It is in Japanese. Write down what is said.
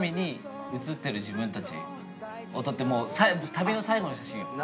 旅の最後の写真よ。